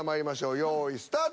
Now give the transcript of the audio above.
用意スタート。